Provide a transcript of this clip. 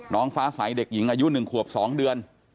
ฟ้าใสเด็กหญิงอายุ๑ขวบ๒เดือน